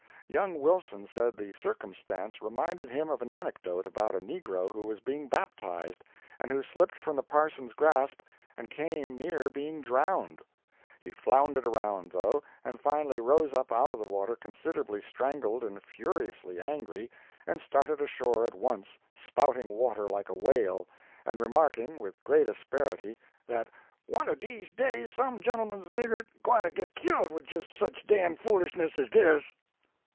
Young Wilson said the circumstance reminded him of an anecdote about a negro who was being baptized, and who slipped from the parson's grasp, and came near being drowned. He floundered around, though, and finally rose up out of the water considerably strangled and furiously angry, and started ashore at once, spouting water like a whale, and remarking, with great asperity, that "one o' dese days some gen'l'man's nigger gwyne to get killed wid jis' such damn foolishness as dis!"